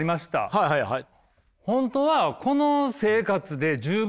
はいはいはい。